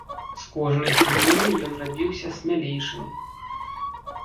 З кожнай хвілінай ён рабіўся смялейшым.